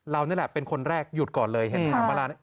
เรานั่นแหละเป็นคนแรกหยุดก่อนเลยเห็นทางม้าลายน่ะ